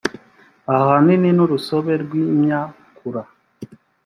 ahanini n urusobe rw imyakura